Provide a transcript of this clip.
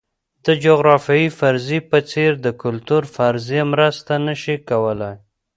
د جغرافیوي فرضیې په څېر د کلتور فرضیه مرسته نه شي کولای.